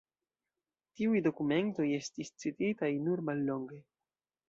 Tiuj dokumentoj estis cititaj nur mallonge.